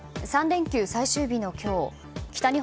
３連休最終日の今日